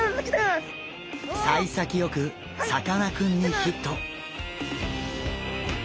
さい先よくさかなクンにヒット！